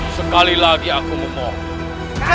sekali lagi aku memohon